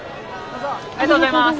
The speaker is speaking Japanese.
ありがとうございます。